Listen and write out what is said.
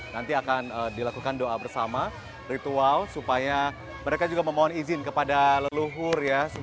nanti akan dilakukan doa bersama ritual supaya mereka juga memohon izin kepada leluhur ya